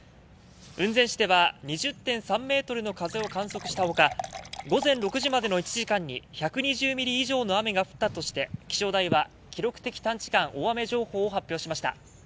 雲仙市では２０．３ｍの風を観測したほか、午前６時までの１時間に１２０ミリ以上の雨が降ったとして気象台は記録的短時間大雨情報を発表しました。